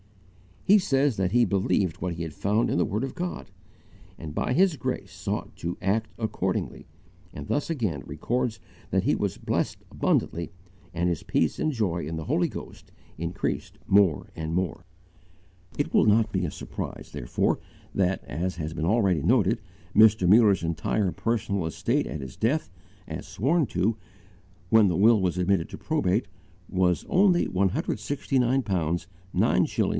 He says that he BELIEVED what he found in the word of God, and by His grace sought to ACT ACCORDINGLY, and thus again records that he was blessed abundantly and his peace and joy in the Holy Ghost increased more and more. It will not be a surprise, therefore, that, as has been already noted, Mr. Muller's entire personal estate at his death, as sworn to, when the will was admitted to probate, was only 169 pounds 9s.